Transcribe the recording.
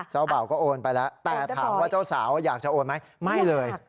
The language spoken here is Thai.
เบาก็โอนไปแล้วแต่ถามว่าเจ้าสาวอยากจะโอนไหมไม่เลย